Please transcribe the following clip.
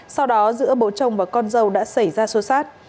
sau đó giữa bố chồng và con dâu đã xảy ra xô xát